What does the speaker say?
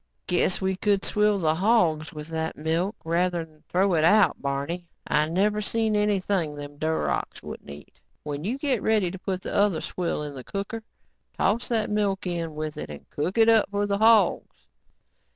"Guess we could swill the hogs with that milk, rather'n throw it out, Barney. I never seen anything them Durocs wouldn't eat. When you get ready to put the other swill in the cooker, toss that milk in with it and cook it up for the hogs."